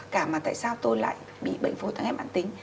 cả mà tại sao tôi lại bị bệnh phổi tác hệ mạng tính